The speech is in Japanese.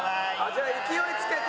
じゃあ勢いつけて。